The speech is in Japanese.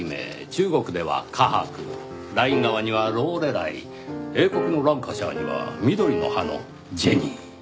中国では河伯ライン川にはローレライ英国のランカシャーには緑の歯のジェニー。